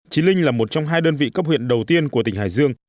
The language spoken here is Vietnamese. trí linh là một trong hai đơn vị cấp huyện đầu tiên của tỉnh hải dương